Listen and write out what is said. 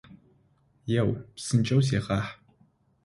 Еу, псынкӏэу зегъахь!